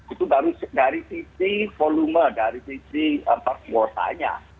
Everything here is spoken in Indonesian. itu baru dari sisi volume dari sisi perkosanya